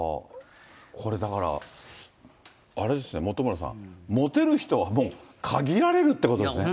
これ、だからあれですね、本村さん、持てる人はもう限られるってことですね。